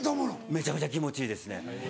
めちゃめちゃ気持ちいいですね。